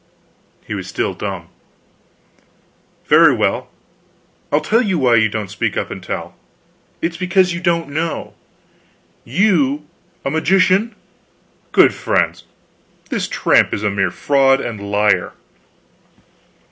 He was still dumb. "Very well, I'll tell you why you don't speak up and tell; it is because you don't know. You a magician! Good friends, this tramp is a mere fraud and liar."